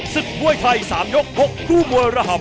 ศึกมวยไทย๓ยก๖คู่มวยระห่ำ